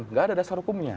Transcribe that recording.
tidak ada dasar hukumnya